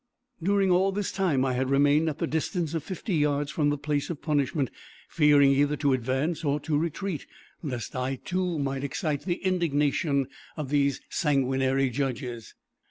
During all this time, I had remained at the distance of fifty yards from the place of punishment, fearing either to advance or retreat, lest I too might excite the indignation of these sanguinary judges.